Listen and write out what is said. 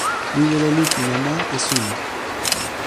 mi wile lukin e ma e suno.